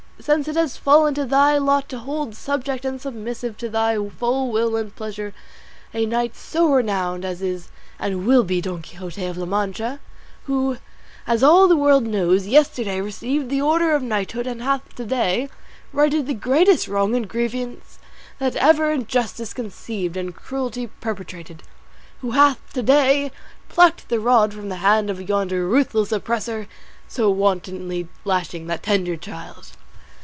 since it has fallen to thy lot to hold subject and submissive to thy full will and pleasure a knight so renowned as is and will be Don Quixote of La Mancha, who, as all the world knows, yesterday received the order of knighthood, and hath to day righted the greatest wrong and grievance that ever injustice conceived and cruelty perpetrated: who hath to day plucked the rod from the hand of yonder ruthless oppressor so wantonly lashing that tender child."